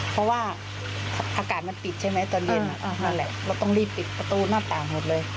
เพราะว่าอากาศมันปิดใช่ไหมตอนเย็นนั่นแหละเราต้องรีบปิดประตูหน้าต่างหมดเลย